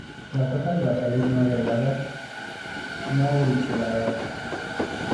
Las hojas basales no agregadas; no auriculadas.